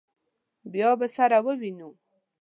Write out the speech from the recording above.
بیا به سره ووینو.